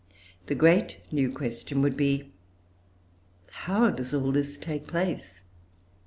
The great new question would be, "How does all this take place?"